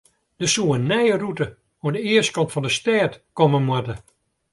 Der soe in nije rûte oan de eastkant fan de stêd komme moatte.